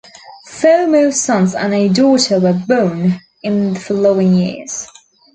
Four more sons and a daughter were born in the following years.